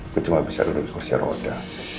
gue cuma bisa duduk di kursi roda